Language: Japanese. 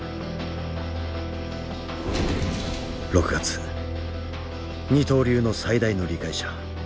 ６月二刀流の最大の理解者